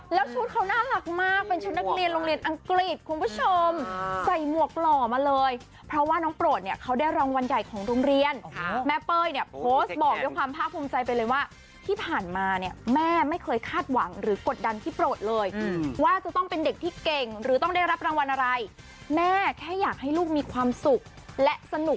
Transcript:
แล้วชุดเขาน่ารักมากเป็นชุดนักเรียนโรงเรียนอังกฤษคุณผู้ชมใส่หมวกหล่อมาเลยเพราะว่าน้องโปรดเนี่ยเขาได้รางวัลใหญ่ของโรงเรียนแม่เป้ยเนี่ยโพสต์บอกด้วยความภาคภูมิใจไปเลยว่าที่ผ่านมาเนี่ยแม่ไม่เคยคาดหวังหรือกดดันพี่โปรดเลยว่าจะต้องเป็นเด็กที่เก่งหรือต้องได้รับรางวัลอะไรแม่แค่อยากให้ลูกมีความสุขและสนุก